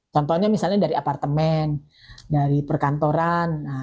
contohnya misalnya dari apartemen dari perkantoran